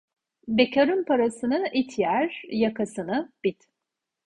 Bekarın parasını it yer, yakasını bit.